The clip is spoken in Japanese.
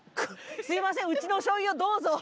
すいませんうちのおしょうゆをどうぞ。